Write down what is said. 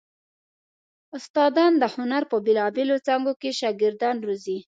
استادان د هنر په بېلو څانګو کې شاګردان روزي.